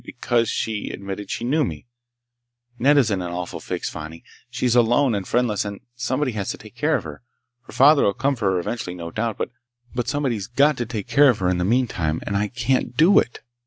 because she'd admitted that she knew me! Nedda's in an awful fix, Fani! She's alone and friendless, and ... somebody has to take care of her! Her father'll come for her eventually, no doubt, but somebody's got to take care of her in the meantime, and I can't do it!"